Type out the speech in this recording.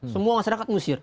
semua masyarakat ngusir